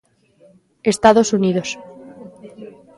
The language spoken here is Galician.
Estados Unidos.